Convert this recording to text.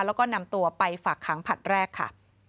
แล้วก็นำตัวไปฝากขังผลัดแรกค่ะ